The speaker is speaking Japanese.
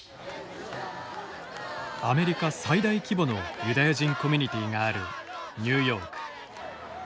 アメリカ最大規模のユダヤ人コミュニティーがあるニューヨーク。